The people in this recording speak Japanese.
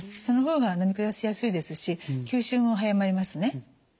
その方がのみ下しやすいですし吸収も早まりますね。